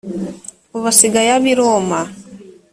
ubu asigaye aba i roma